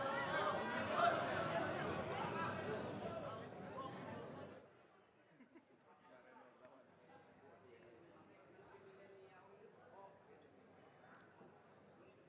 adapter dirty